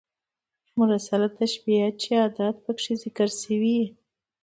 مرسله تشبېه چي ادات پکښي ذکر سوي يي.